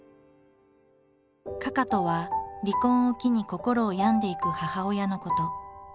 「かか」とは離婚を機に心を病んでいく母親のこと。